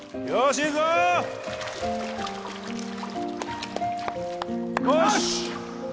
よし！